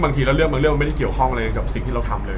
บางเรื่องมันไม่ได้เกี่ยวข้องเลยกับสิ่งที่เราทำเลย